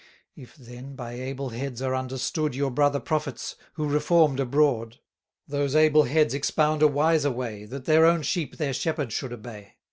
If then, by able heads, are understood 430 Your brother prophets, who reform'd abroad; Those able heads expound a wiser way, That their own sheep their shepherd should obey.